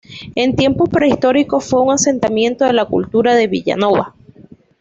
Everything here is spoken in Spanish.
En tiempos prehistóricos fue un asentamiento de la Cultura de Villanova.